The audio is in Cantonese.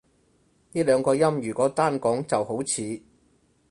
呢兩個音如果單講就好似